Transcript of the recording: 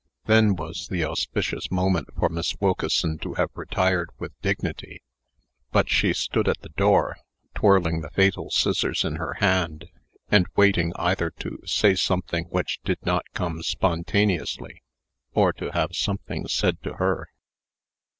Then was the auspicious moment for Miss Wilkeson to have retired with dignity; but she stood at the door, twirling the fatal scissors in her hand, and waiting either to say something which did not come spontaneously, or to have something said to her.